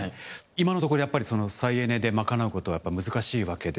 今のところやっぱり再エネで賄うことは難しいわけで。